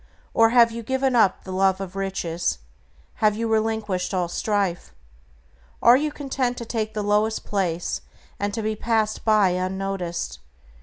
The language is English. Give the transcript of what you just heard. Or have you given up the love of riches? Have you relinquished all strife? Are you content to take the lowest place, and to be passed by unnoticed?